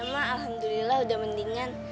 ya mak alhamdulillah udah mendingan